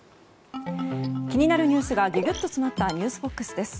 気になるニュースがギュギュッと詰まったｎｅｗｓＢＯＸです。